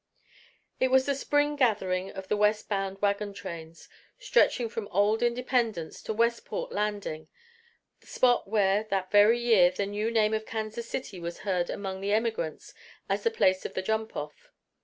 It was the spring gathering of the west bound wagon trains, stretching from old Independence to Westport Landing, the spot where that very year the new name of Kansas City was heard among the emigrants as the place of the jump off.